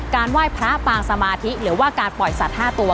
ไหว้พระปางสมาธิหรือว่าการปล่อยสัตว์๕ตัว